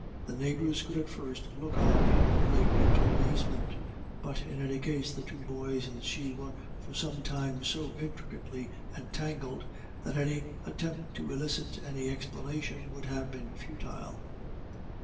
The neighbours could at first look on in only mute amazement, but in any case the two boys and she were for some time so intricately entangled that any attempt to elicit any explanation would have been futile.